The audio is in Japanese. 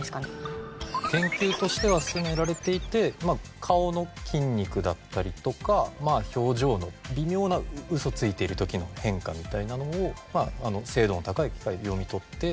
研究としては進められていて顔の筋肉だったりとか表情の微妙なウソついてる時の変化みたいなのを精度の高い機械で読み取って７３パーセントって。